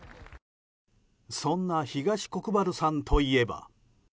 そんな東国原さんといえば。